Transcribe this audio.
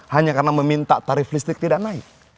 hanya karena meminta tarif listrik tidak naik